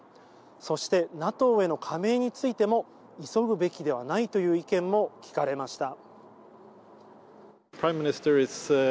そしてＮＡＴＯへの加盟についても急ぐべきではないという意見も聞かれました。